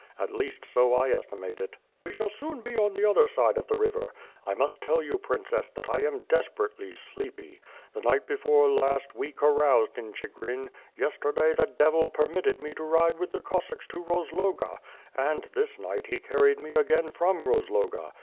At least so I esti mate it. We shall soon be on the other side of the river. I must toll you. Princess, that I am desperately sleepy. The night l>efore last, we caroused in Chigrin; }Tsterday the devil permitted me to ride with the Cossacks to Rozloga, and, this night he carried me again from Rozloga.